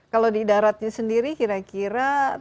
kalau di daratnya sendiri kira kira